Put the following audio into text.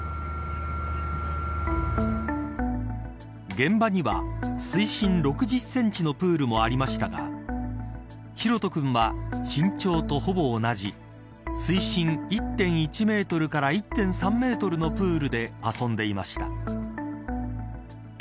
現場には水深６０センチのプールもありましたが大翔君は、身長とほぼ同じ水深１．１メートルから１．３メートルのプールで遊んでいました。